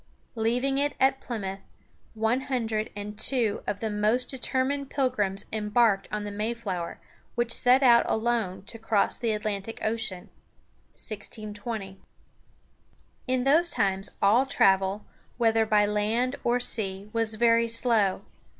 Leaving it at Plymouth, one hundred and two of the most determined Pilgrims embarked on the Mayflower, which set out alone to cross the Atlantic Ocean (1620). [Illustration: The Mayflower.] In those times all travel, whether by land or sea, was very slow.